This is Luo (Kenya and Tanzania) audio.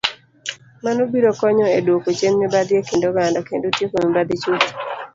Mano biro konyo e dwoko chien mibadhi e kind oganda, kendo tieko mibadhi chuth.